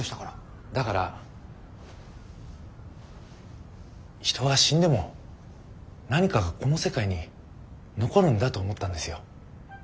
だから人は死んでも何かがこの世界に残るんだと思ったんですよ。